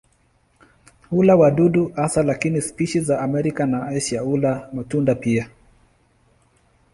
Hula wadudu hasa lakini spishi za Amerika na Asia hula matunda pia.